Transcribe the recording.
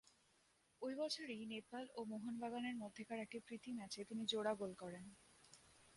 ওই বছরই নেপাল ও মোহনবাগান এর মধ্যকার একটি প্রীতি ম্যাচে তিনি জোড়া গোল করেন।